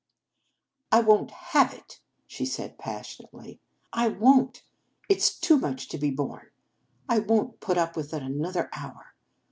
" I won t have it," she said passion ately. "I won t! It s too much to be borne. I won t put up with it another hour.